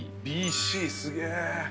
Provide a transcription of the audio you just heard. ＢＣすげぇ。